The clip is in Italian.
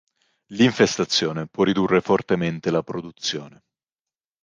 L'infestazione può ridurre fortemente la produzione.